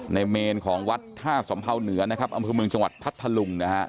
ในเมนของวัดฆาตสมเภาเหนืออำเภอมืองจังหวัดพัทธลุงนะครับ